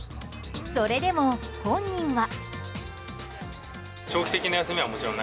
それでも本人は。